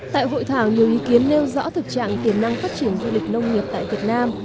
tại hội thảo nhiều ý kiến nêu rõ thực trạng tiềm năng phát triển du lịch nông nghiệp tại việt nam